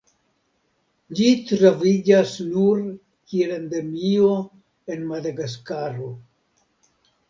Ĝi troviĝas nur kiel endemio en Madagaskaro.